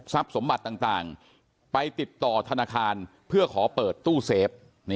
สมบัติต่างไปติดต่อธนาคารเพื่อขอเปิดตู้เซฟ